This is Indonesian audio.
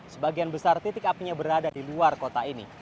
sebagian besar titik apinya berada di luar kota ini